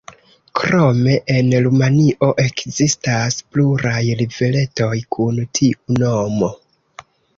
Krome en Rumanio ekzistas pluraj riveretoj kun tiu nomo.